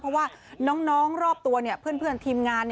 เพราะว่าน้องรอบตัวเพื่อนทีมงาน